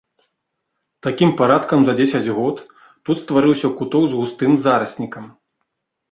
Такім парадкам за дзесяць год тут стварыўся куток з густым зараснікам.